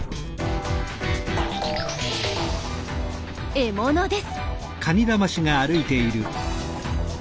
獲物です。